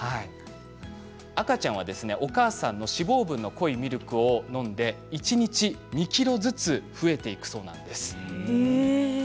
赤ちゃんはお母さんの脂肪分の濃いミルクを飲んで一日２ｋｇずつ増えていくそうです。